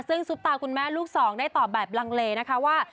ซึ่งซุปตาคุณแม่ลูกสองได้ตอบแบบลังเลนะคะว่า